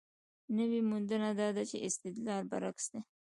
نوې موندنه دا ده چې استدلال برعکس دی.